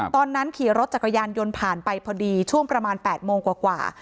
ตอนนั้นขี่รถจักรยานยนต์ผ่านไปพอดีช่วงประมาณ๘โมงกว่า